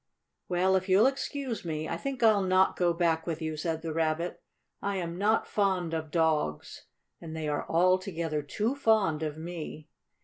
"Well, if you'll excuse me, I think I'll not go back with you," said the Rabbit. "I am not fond of dogs, and they are altogether too fond of me.